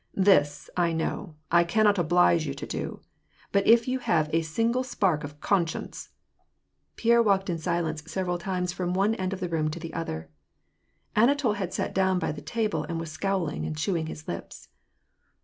This, I know, I cannot oblige you to do, but if you have a single spark of conscience "— Pierre walked in silence several times from one end of the room to the other. Anatol had sat down by the table, and was scowling and chewing his lips.